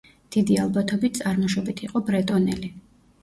დიდი ალბათობით წარმოშობით იყო ბრეტონელი.